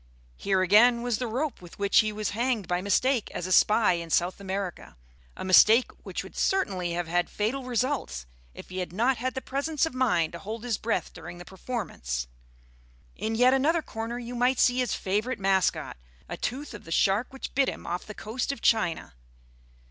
Here, again, was the rope with which he was hanged by mistake as a spy in South America a mistake which would certainly have had fatal results if he had not had the presence of mind to hold his breath during the performance. In yet another corner you might see his favourite mascot, a tooth of the shark which bit him off the coast of China.